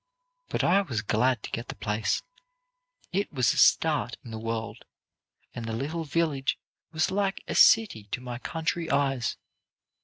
But I was glad to get the place. It was a start in the world, and the little village was like a city to my country eyes.